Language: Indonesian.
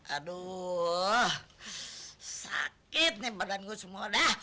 aduh sakit nih badan gua semua dah